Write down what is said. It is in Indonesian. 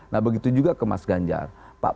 nah begitu juga ke mas ganjar